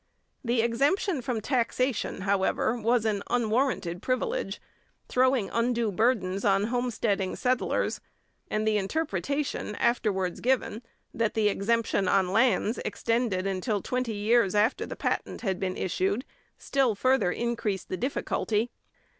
The exemption from taxation, however, was an unwarranted privilege, throwing undue burdens on homesteading settlers; and the interpretation afterwards given that the exemption on lands extended until twenty years after the patent had been issued still further increased the difficulty.